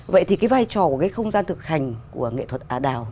vậy thì cái vai trò của cái không gian thực hành của nghệ thuật ả đào